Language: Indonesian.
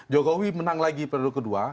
jokowi menang lagi periode kedua